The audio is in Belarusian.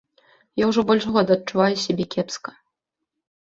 Я ўжо больш года адчуваю сябе кепска.